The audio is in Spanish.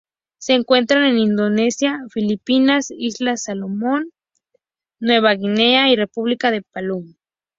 Se encuentran en Indonesia, Filipinas, Islas Salomón, Nueva Guinea y República de Palau.